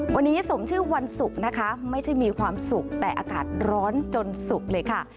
วันนี้สมชื่อวันศุกร์นะคะไม่ใช่มีความสุขแต่อากาศร้อนจนสุกเลยค่ะ